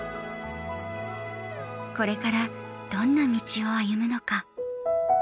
これからどんな道を歩むのか。